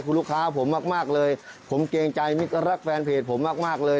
คุณลูกค้าผมมากมากเลยผมเกรงใจมิตรรักแฟนเพจผมมากมากเลย